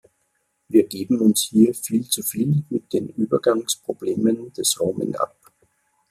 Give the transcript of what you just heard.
Wir geben uns hier viel zu viel mit den Übergangsproblemen des Roaming ab.